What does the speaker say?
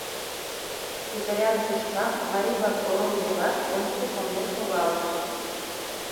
Хуторян тӱшкам марий-влак орол леваш ончыко конден шогалтышт.